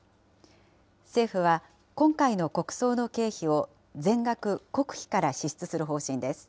政府は、今回の国葬の経費を全額国費から支出する方針です。